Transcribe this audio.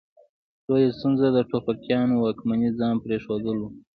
لویه ستونزه د ټوپکیانو واکمني ځان پرې ښودل وه.